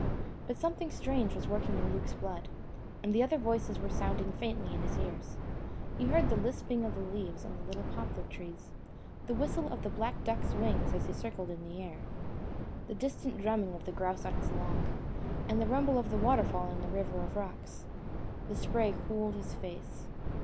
But something strange was working in Luke's blood, and other voices were sounding faintly in his ears. He heard the lisping of the leaves on the little poplar trees, the whistle of the black duck's wings as he circled in the air, the distant drumming of the grouse on his log, the rumble of the water fall in the River of Rocks. The spray cooled his face.